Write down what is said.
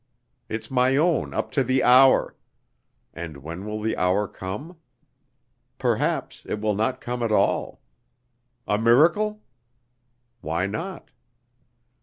It's my own up to the hour.... And when will the hour come? Perhaps it will not come at all! A miracle? Why not?...